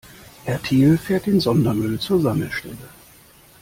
Herr Thiel fährt den Sondermüll zur Sammelstelle.